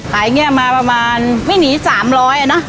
ขายเงี้ยมาประมาณไม่หนีสามร้อยอ่ะนะ